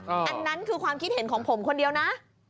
อันนั้นคือความคิดเห็นของผมคนเดียวนะ